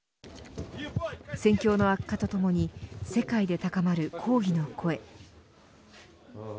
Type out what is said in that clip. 戦況の悪化とともに世界で高まる抗議の声。